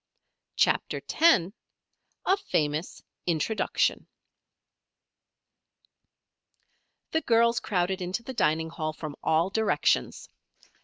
CHAPTER X A FAMOUS INTRODUCTION The girls crowded into the dining hall from all directions.